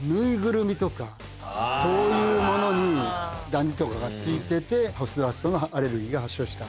そういうものにダニとかがついててハウスダストのアレルギーが発症した。